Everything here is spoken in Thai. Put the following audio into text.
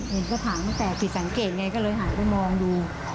ดูปิดสังเกตหายไปมองดู